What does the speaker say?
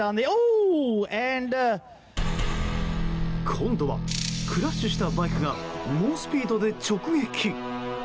今度はクラッシュしたバイクが猛スピードで直撃。